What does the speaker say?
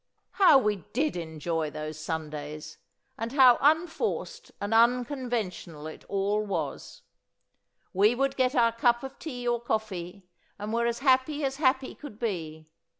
How we did enjoy those Sundays! And how unforced and unconventional it all was! We would get our cup of tea or coffee and were as happy as happy as could be.